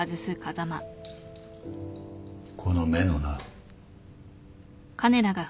この目のな。